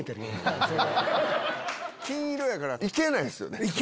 金色やから行けないんすよね。